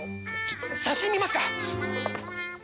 写真見ますか？